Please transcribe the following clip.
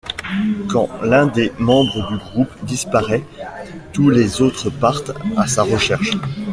Quand l'un des membres du groupe disparaît, tous les autres partent à sa recherche.